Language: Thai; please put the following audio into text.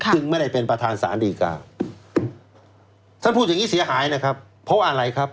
จึงไม่ได้เป็นประธานสารดีกาท่านพูดอย่างงี้เสียหายนะครับเพราะว่าอะไรครับ